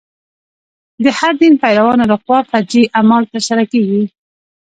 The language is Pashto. د هر دین پیروانو له خوا فجیع اعمال تر سره کېږي.